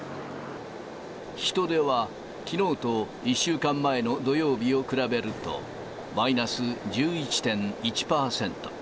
人出はきのうと１週間前の土曜日を比べると、マイナス１１．１％。